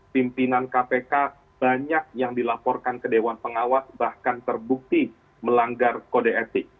pimpinan kpk banyak yang dilaporkan ke dewan pengawas bahkan terbukti melanggar kode etik